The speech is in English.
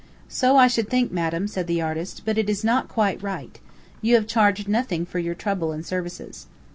"So I should think, madam," said the artist, "but it is not quite right. You have charged nothing for your trouble and services."